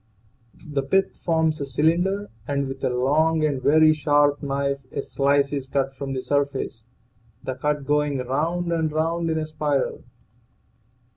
The pith forms a cylinder, and with a long and very sharp knife a slice is cut from the surface, the cut going round and round in a spiral.